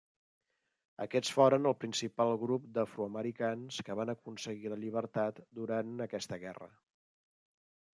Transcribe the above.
Aquests foren el principal grup d'afroamericans que van aconseguir la llibertat durant aquesta guerra.